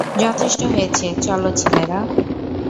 যথেষ্ট হয়েছে, চলো ছেলেরা!